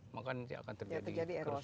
maka nanti akan terjadi kerusakan erosi